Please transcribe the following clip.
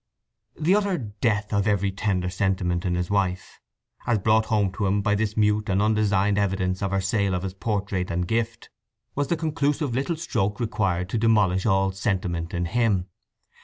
The utter death of every tender sentiment in his wife, as brought home to him by this mute and undesigned evidence of her sale of his portrait and gift, was the conclusive little stroke required to demolish all sentiment in him.